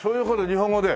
日本語で。